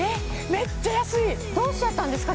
めっちゃ安いどうしちゃったんですか？